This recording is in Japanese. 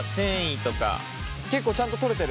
結構ちゃんと取れてる？